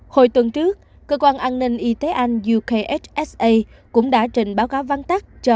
hồi tuần trước cơ quan an ninh y tế anh ukhsa cũng đã truyền thông tin về việc xác nhận thêm về biến thể xe